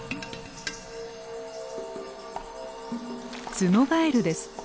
ツノガエルです。